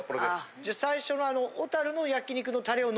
じゃあ最初のあの。